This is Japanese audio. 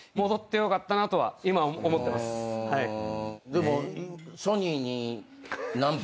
でも。